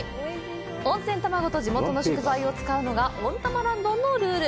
温泉卵と地元の野菜を使うのが温たまらん丼のルール。